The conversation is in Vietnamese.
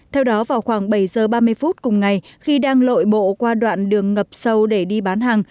theo đó vào khoảng bảy giờ ba mươi phút cùng ngày khi đang lội bộ qua đoạn đường ngập sâu để đi bán hàng